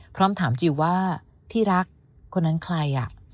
พร้อมถามจิลว่าที่รักคนนั้นใคร